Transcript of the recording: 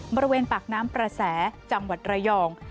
บริเวณปากน้ำประแสจังหวัดระยอง